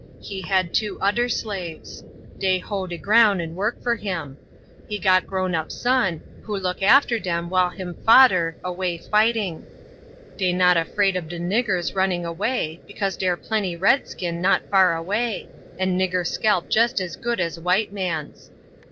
He had two oder slaves; dey hoe de ground and work for him. He got grown up son, who look after dem while him fader away fighting. Dey not afraid ob de niggers running away, because dere plenty redskin not far away, and nigger scalp jest as good as white man's.